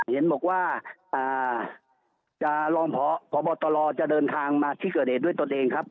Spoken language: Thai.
เห็นบอกว่าอ่าจะลองพอพอบอตรอจะเดินทางมาที่เกิดเองด้วยตนเองครับ